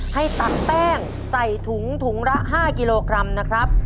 ให้ตักแป้งใส่ถุงละ๕กิโลกรัม